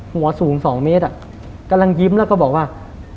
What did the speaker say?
หัวสูง๒เมตรกำลังยิ้มแล้วก็บอกว่า